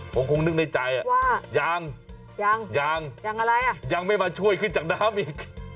ผมคงนึกในใจว่ายังยังอะไรอ่ะยังไม่มาช่วยขึ้นจากน้ำอีก